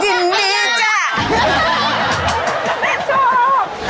ยินดีจ้ะ